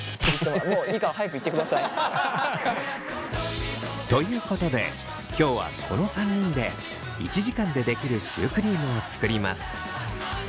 もういいから早く行ってください。ということで今日はこの３人で１時間でできるシュークリームを作ります。